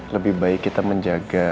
lebih baik kita menjaga